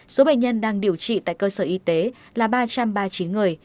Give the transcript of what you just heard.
số bệnh nhân đang điều trị tại cơ sở y tế là ba trăm ba mươi chín người